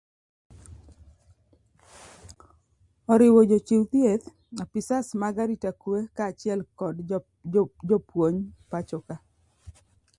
oriwo jochiw thieth ,apisas mag arita kwee kaachiel kod jopuony pacho ka